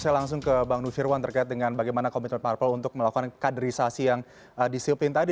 saya langsung ke bang nusyirwan terkait dengan bagaimana komitmen parpol untuk melakukan kaderisasi yang disiplin tadi